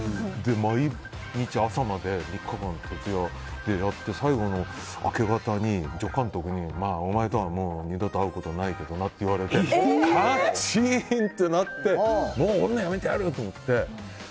毎日、朝まで徹夜でやって最後の明け方に助監督にお前とは二度と会うことはないけどなって言われてカチーンとなってもうやめてやる！と思って。